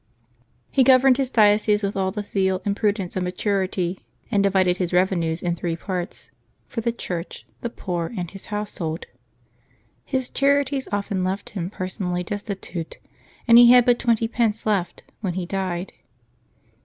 He governed his diocese with all the zeal and prudence of maturity, and divided his revenues in three parts — for the Church, the poor, and his household. His charities often left him personally destitute, and he had but twenty pence left when he died.